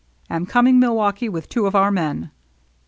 "Am coming Milwaukee with two of our men.